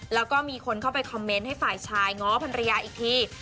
แล้วก็มีคนเข้าไปคอมเมนต์ให้ฝ่ายชายง้อภรรยาอีกที